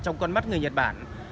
trong con mắt người nhật bản